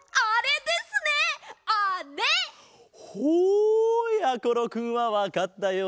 ほうやころくんはわかったようだぞ。